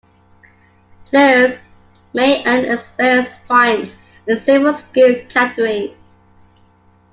Players may earn experience points in several skill categories.